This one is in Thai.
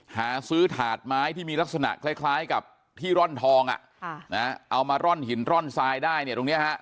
หาซื้อถาดไม้ที่มีลักษณะคล้ายกับที่ร่อนทองเอามาร่อนหินร่อนทรายได้เนี่ยตรงนี้ฮะ